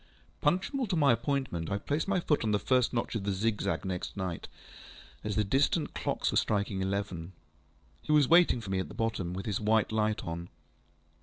Punctual to my appointment, I placed my foot on the first notch of the zigzag next night, as the distant clocks were striking eleven. He was waiting for me at the bottom, with his white light on.